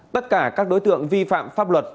tất cả các đối tượng vi phạm pháp luật